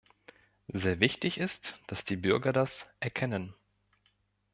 Sehr wichtig ist, dass die Bürger das erkennen.